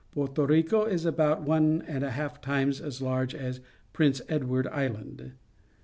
Porto Rico is about one and a half times a.s large as Prince Edward Island.